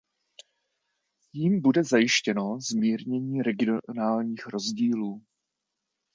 Tím bude zajištěno zmírnění regionálních rozdílů.